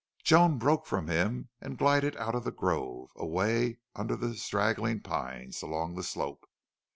Joan broke from him and glided out of the grove, away under the straggling pines, along the slope.